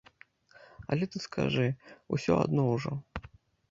Але ты скажы, усё адно ўжо.